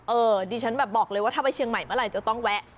ดิฉันแบบบอกเลยว่าถ้าไปเชียงใหม่เมื่อไหร่จะต้องแวะ